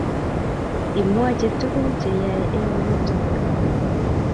Imwachi tuguk che yae eng yutok